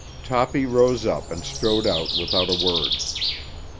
Toppy rose up and strode out without a word.